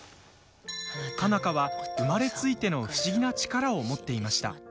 佳奈花は、生まれついての不思議な力を持っていました。